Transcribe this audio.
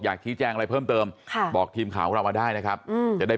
ชี้แจ้งอะไรเพิ่มเติมบอกทีมข่าวของเรามาได้นะครับจะได้